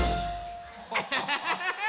アハハハハ！